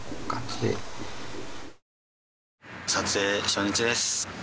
撮影初日です。